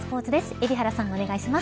海老原さん、お願いします。